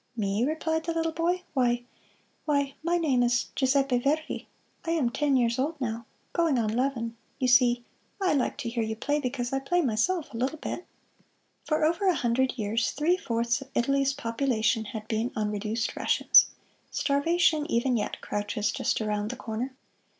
"Me?" replied the little boy, "why why my name is Giuseppe Verdi I am ten years old now going on 'leven you see, I like to hear you play because I play myself, a little bit!" For over a hundred years three fourths of Italy's population had been on reduced rations. Starvation even yet crouches just around the corner.